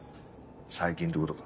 最近ってことか？